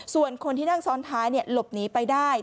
ส่วนคนที่นั่งซ้อนท้ายหลบหนีไปได้